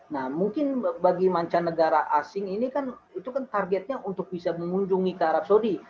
nah mungkin bagi mancanegara asing ini kan itu kan targetnya untuk bisa mengunjungi ke arab saudi